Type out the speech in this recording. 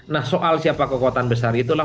nah soal siapa kekuatan besar itulah